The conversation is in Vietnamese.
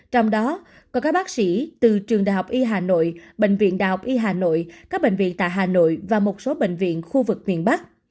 trong đó có các bác sĩ từ trường đh y hà nội bệnh viện đh y hà nội các bệnh viện tại hà nội và một số bệnh viện khu vực miền bắc